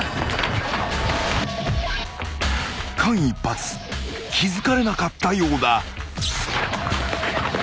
［間一髪気付かれなかったようだ］